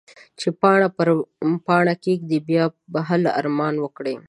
چې باڼه پر باڼه کېږدې؛ بيا به هله ارمان وکړې.